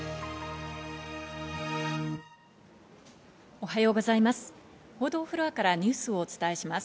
おはようございます。